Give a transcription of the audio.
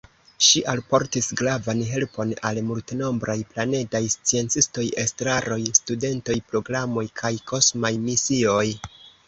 Ŝi alportis gravan helpon al multenombraj planedaj sciencistoj, estraroj, studentoj, programoj kaj kosmaj misioj.